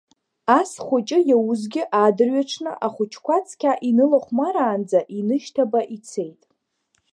Ас хәыҷы иаузгьы, адырҩаҽны, ахәыҷқәа цқьа инылахәмараанӡа, инышьҭаба ицеит.